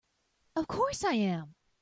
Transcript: Of course I am!